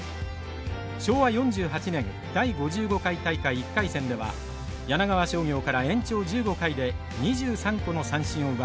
昭和４８年第５５回大会１回戦では柳川商業から延長１５回で２３個の三振を奪います。